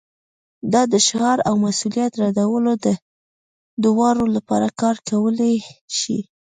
دا د شعار او مسؤلیت ردولو دواړو لپاره کار کولی شي